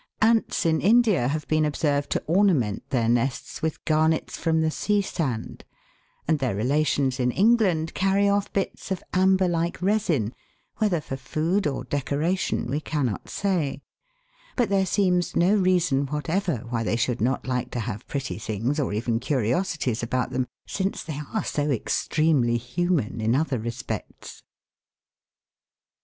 Ants in India have been observed to ornament their nests with garnets from the sea sand ; and their relations in England carry off bits of amber like resin, whether for food or decora tion, we cannot say ; but there seems no reason whatever why they should not like to have pretty things or even curiosities about them, since they are so extremely human in other respects.